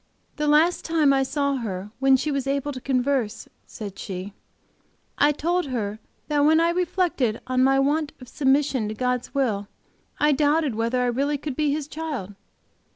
"The last time I saw her when she was able to converse," said she, "I told her that when I reflected on my want of submission to God's will, I doubted whether I really could be His child.